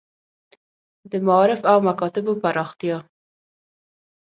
د معارف او مکاتیبو پراختیا.